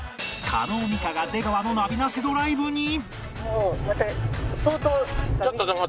叶美香が出川のナビなしドライブに！